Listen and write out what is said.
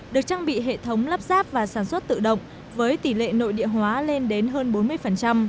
được trang bị hệ thống lắp ráp và sản xuất tự động với tỷ lệ nội địa hóa lên đến hơn bốn mươi